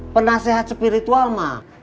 penasehat spiritual mak